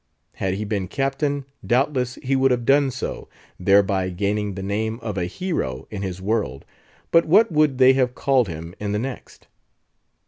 Had he been Captain, doubtless he would have done so; thereby gaining the name of a hero in this world;—but what would they have called him in the next?